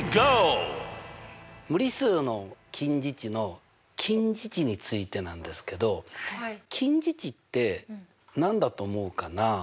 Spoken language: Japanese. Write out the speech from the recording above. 無理数の近似値の近似値についてなんですけど近似値って何だと思うかなあ？